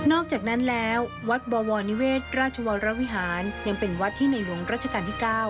อกจากนั้นแล้ววัดบวรนิเวศราชวรวิหารยังเป็นวัดที่ในหลวงรัชกาลที่๙